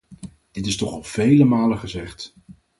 Dit is toch al vele malen gezegd.